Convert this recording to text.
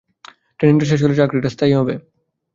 ট্রেনিংটা শেষ হলে চাকরিটা স্থায়ী হবে।